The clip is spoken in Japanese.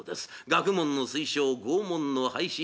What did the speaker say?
学問の推奨拷問の廃止